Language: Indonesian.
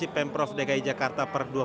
pemprof dki jakarta